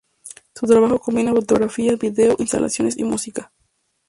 Su trabajo combina fotografía, vídeo, instalaciones y música.